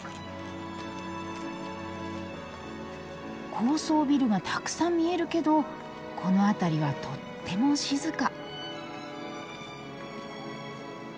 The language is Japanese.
高層ビルがたくさん見えるけどこの辺りはとっても静か。